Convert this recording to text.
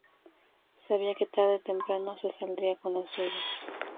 Sabía que tarde o temprano se saldría con la suya.